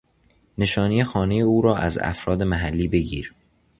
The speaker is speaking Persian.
نشانی خانه او را از افراد محلی بگیر